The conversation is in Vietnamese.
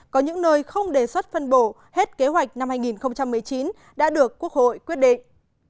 có những nơi không đề xuất phân bổ hết kế hoạch năm hai nghìn một mươi chín đã được quốc hội quyết định